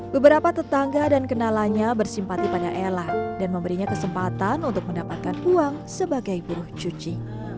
beberapa tetangga dan kenalanya bersimpati pada ella dan memberinya kesempatan untuk mendapatkan uang sebagai buruh cuci